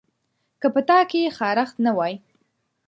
که په تا کې خارښت نه وای